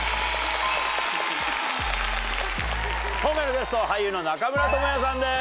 今回のゲストは俳優の中村倫也さんです！